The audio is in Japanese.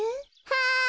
はい。